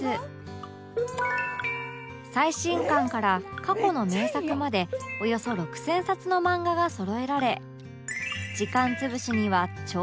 最新刊から過去の名作までおよそ６０００冊の漫画がそろえられ時間潰しにはちょうどいい空間